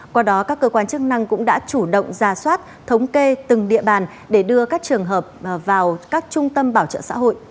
qua đó các cơ quan chức năng cũng đã chủ động ra soát thống kê từng địa bàn để đưa các trường hợp vào các trung tâm bảo trợ xã hội